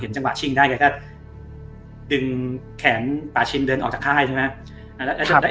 เขาดึงแขนปลาชิบเดินออกจากค่ายจนไง